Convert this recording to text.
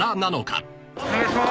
お願いします。